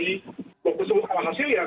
kalau tersebut kalah hasil ya